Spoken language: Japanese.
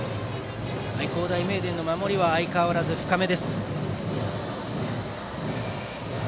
愛工大名電の守りは相変わらず深め。